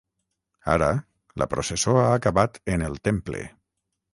Ara, la processó ha acabat en el temple.